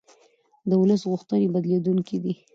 د ولس غوښتنې بدلېدونکې دي